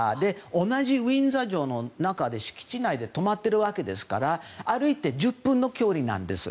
同じウィンザー城の敷地内で泊まっているわけですから歩いて１０分の距離なんです。